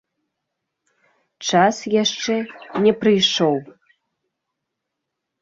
Час яшчэ не прыйшоў.